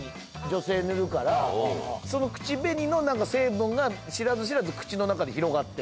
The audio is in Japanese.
その口紅の成分が知らず知らず口の中で広がってる。